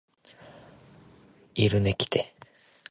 来ているね。